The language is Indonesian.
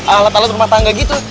alat alat rumah tangga gitu